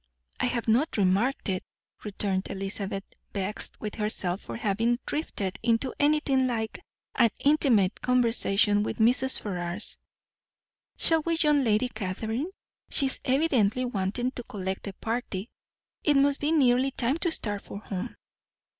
"I have not remarked it," returned Elizabeth, vexed with herself for having drifted into anything like an intimate conversation with Mrs. Ferrars. "Shall we join Lady Catherine? She is evidently wanting to collect the party. It must be nearly time to start for home."